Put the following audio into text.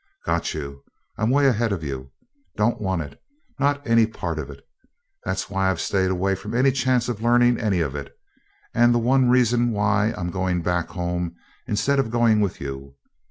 "Got you? I'm 'way ahead of you! Don't want it, not any part of it that's why I've stayed away from any chance of learning any of it, and the one reason why I am going back home instead of going with you.